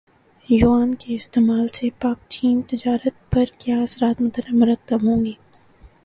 یوان کے استعمال سے پاکچین تجارت پر کیا اثرات مرتب ہوں گے